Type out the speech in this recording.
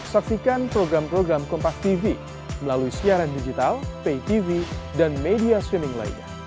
saksikan program program kompastv melalui siaran digital paytv dan media streaming lainnya